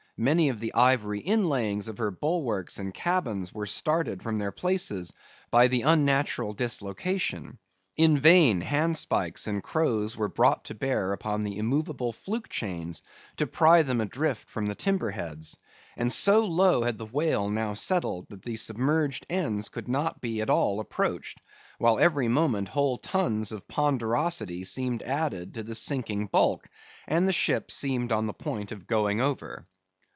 Many of the ivory inlayings of her bulwarks and cabins were started from their places, by the unnatural dislocation. In vain handspikes and crows were brought to bear upon the immovable fluke chains, to pry them adrift from the timberheads; and so low had the whale now settled that the submerged ends could not be at all approached, while every moment whole tons of ponderosity seemed added to the sinking bulk, and the ship seemed on the point of going over.